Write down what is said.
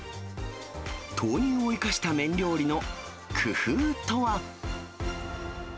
豆乳を生かした麺料理の工夫とは。